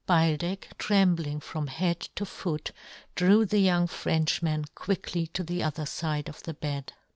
Beildech, trembling from head to foot, drew the young Frenchman quickly to the other fide of the bed.